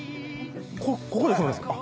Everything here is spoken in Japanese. ここで染めるんですか？